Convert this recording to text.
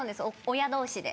親同士で。